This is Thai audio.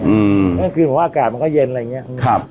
อือแล้วก็คือผมว่าอากาศมันก็เย็นอะไรอย่างเงี้ยครับ